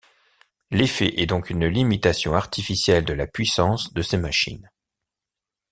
L'effet est donc une limitation artificielle de la puissance de ces machines.